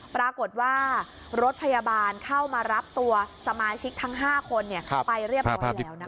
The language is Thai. ปรากฏว่ารถพยาบาลเข้ามารับตัวสมาชิกทั้ง๕คนไปเรียบร้อยแล้วนะคะ